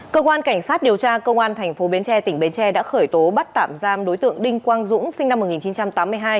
cơ quan cảnh sát điều tra công an thành phố bến tre tỉnh bến tre đã khởi tố bắt tạm giam đối tượng đinh quang dũng sinh năm một nghìn chín trăm tám mươi hai